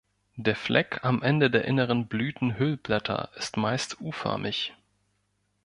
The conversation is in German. Der Fleck am Ende der inneren Blütenhüllblätter ist meist u-förmig.